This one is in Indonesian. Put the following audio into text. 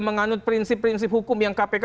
menganut prinsip prinsip hukum yang kpk